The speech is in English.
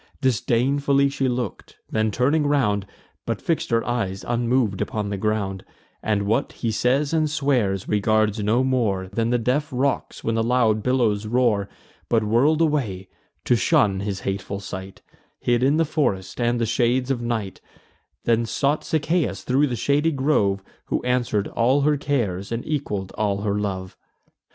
Disdainfully she look'd; then turning round, But fix'd her eyes unmov'd upon the ground, And what he says and swears, regards no more Than the deaf rocks, when the loud billows roar; But whirl'd away, to shun his hateful sight, Hid in the forest and the shades of night; Then sought Sichaeus thro' the shady grove, Who answer'd all her cares, and equal'd all her love.